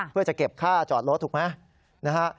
เพื่อจะเก็บค่าจอดรถถูกไหมนะฮะ